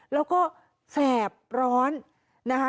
แล้วก็แสบร้อนนะคะ